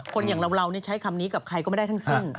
อย่างเราใช้คำนี้กับใครก็ไม่ได้ทั้งสิ้น